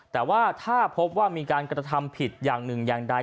แต่ว่าถ้าพบว่ามีการกระทำผิดอย่างหนึ่งอย่างใด